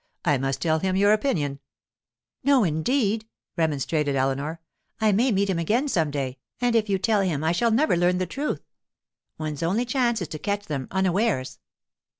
I must tell him your opinion.' 'No, indeed!' remonstrated Eleanor. 'I may meet him again some day, and if you tell him I shall never learn the truth. One's only chance is to catch them unawares.